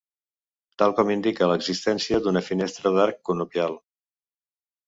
Tal com indica l'existència d'una finestra d'arc conopial.